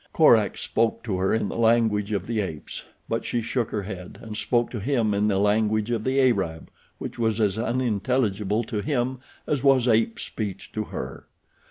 Korak spoke to her in the language of the apes; but she shook her head, and spoke to him in the language of the Arab, which was as unintelligible to him as was ape speech to her.